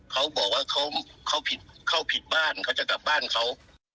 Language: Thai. เขาบอกว่าเขาผิดเข้าผิดบ้านเขาจะกลับบ้านเขา